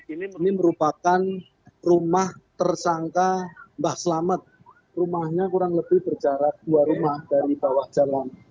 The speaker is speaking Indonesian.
ini merupakan rumah tersangka mbah selamet rumahnya kurang lebih berjarak dua rumah dari bawah jalan